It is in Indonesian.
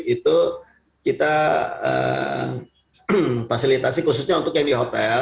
itu kita fasilitasi khususnya untuk yang diperhatikan